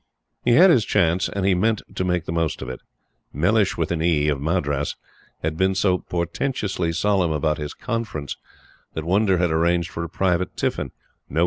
He had his chance, and he meant to make the most of it. Mellishe of Madras had been so portentously solemn about his "conference," that Wonder had arranged for a private tiffin no A.